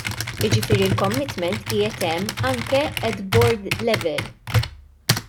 Jiġifieri l-commitment qiegħed hemm anke at board level.